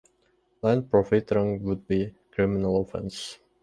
Land profiteering would be a criminal offence.